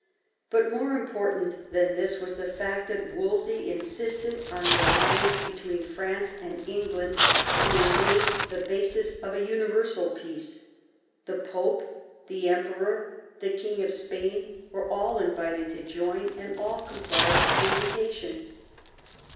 But more important than this was the fact that Wolsey in sisted on the alliance between France and England being made the basis of a universal peace. The Pope, the Em peror, the King of Spain, were all invited to join, and all complied with the invitation.